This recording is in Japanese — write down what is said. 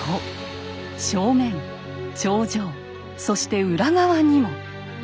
正面頂上そして裏側にも。